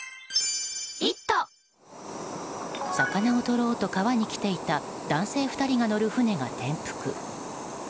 魚をとろうと川に来ていた男性２人が乗る船が転覆。